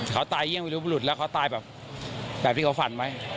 เขาตายเยี่ยงวิรับบุรุษแล้วเขาตายแบบแบบที่เขาฝันไว้